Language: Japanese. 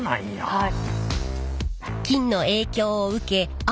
はい。